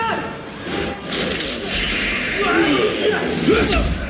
dengan ini kesempatan kalian mengetahui rencana kami telah musnah